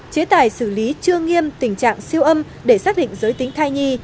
chế tài xử lý chưa nghiêm tình trạng siêu âm để xác định giới tính thai nhi